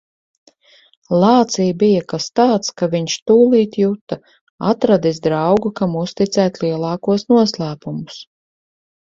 Lācī bija kas tāds, ka viņš tūlīt juta - atradis draugu, kam uzticēt lielākos noslēpumus.